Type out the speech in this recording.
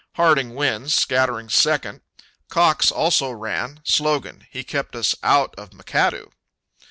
Harding wins, Scattering second; Cox also ran: slogan: "He Kept Us Out of McAdoo."